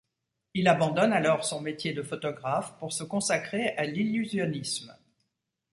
Il abandonne alors son métier de photographe pour se consacrer à l'illusionnisme.